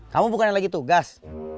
kamu bukan lagi tugas